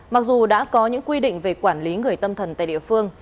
mặc dù đã có những quy định về quản lý người tâm thần tại địa phương